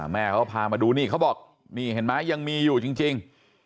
แม่เขาพามาดูนี่เขาบอกนี่เห็นไหมยังมีอยู่จริง